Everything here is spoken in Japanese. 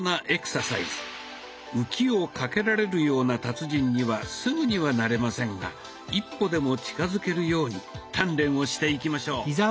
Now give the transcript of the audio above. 浮きをかけられるような達人にはすぐにはなれませんが一歩でも近づけるように鍛錬をしていきましょう。